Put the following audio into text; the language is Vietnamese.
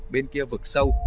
bên kia vực sâu